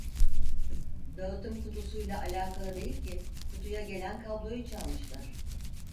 Dağıtım kutusuyla alakalı değil ki kutuya gelen kabloyu çalmışlar